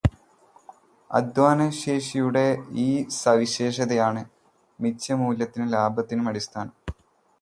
അദ്ധ്വാനശേഷിയുടെ ഈ സവിശേഷതയാണു് മിച്ചമൂല്യത്തിനും ലാഭത്തിനും അടിസ്ഥാനം.